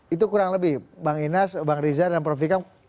itu kurang lebih bang inas bang riza dan prof vikam